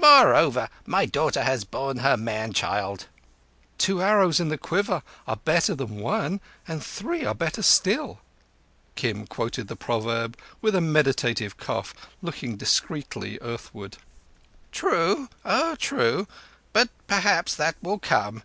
Moreover, my daughter has borne her man child." "Two arrows in the quiver are better than one; and three are better still." Kim quoted the proverb with a meditative cough, looking discreetly earthward. "True—oh, true. But perhaps that will come.